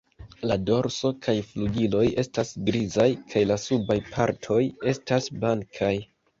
La dorso kaj flugiloj estas grizaj kaj la subaj partoj estas blankaj.